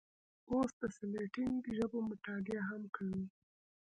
اوس د سلټیک ژبو مطالعه هم کوي.